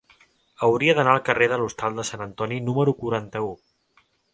Hauria d'anar al carrer de l'Hostal de Sant Antoni número quaranta-u.